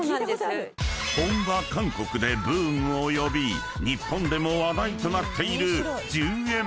［本場・韓国でブームを呼び日本でも話題となっている］